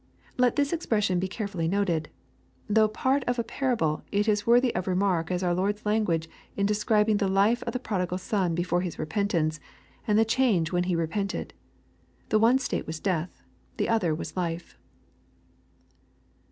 ] Let this expression be care fully noted. Though part of a parable, it is worthy of remark aa our Lord's language in describing the life of the prodigal son be fore his repentance, and the change when he repented. The one state was death. The other was life.